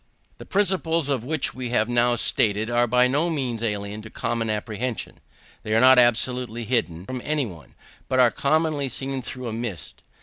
The principles which we have now stated are by no means alien to common apprehension: they are not absolutely hidden, perhaps, from any one, but are commonly seen through a mist.